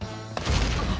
あっ！